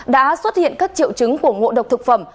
đã xuất hiện các triệu chứng của ngộ độc thực phẩm